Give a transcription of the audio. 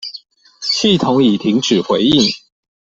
系統已停止回應